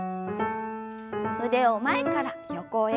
腕を前から横へ。